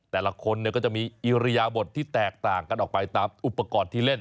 แต่ละคนก็จะมีอิริยบทที่แตกต่างกันออกไปตามอุปกรณ์ที่เล่น